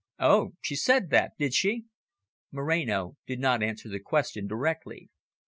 "Oh, she said that, did she?" Moreno did not answer the question directly.